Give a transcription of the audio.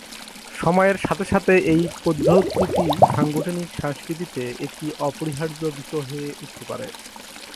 সময়ের সাথে সাথে, এই পদ্ধতিটি সাংগঠনিক সংস্কৃতিতে একটি অপরিহার্য বিষয় হয়ে উঠতে পারে।